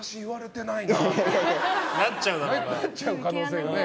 なっちゃう可能性が。